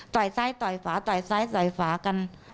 ซ้ายต่อยฝาต่อยซ้ายต่อยฝากัน